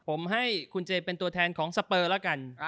ผมให้คุณเจเป็นตัวแทนของสเปอร์แล้วกัน